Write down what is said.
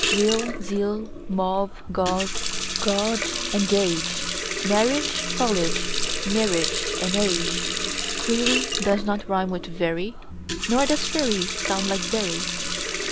Real, zeal; mauve, gauze and gauge; Marriage, foliage, mirage, age. Query does not rime with very, Nor does fury sound like bury.